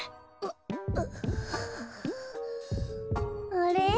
あれ？